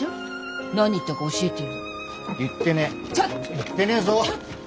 言ってねえぞ。